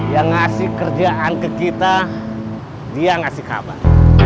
yang ngasih kerjaan ke kita dia ngasih kabar